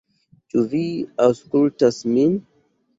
Ĉu vi aŭskultas min?